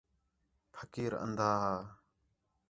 پھقیر اندھا ہا